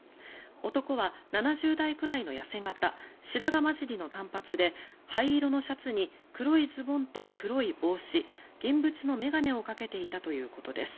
男は７０代くらいの痩せ形白髪交じりの短髪で灰色のシャツに黒いズボンと黒い帽子銀縁の眼鏡をかけていたということです。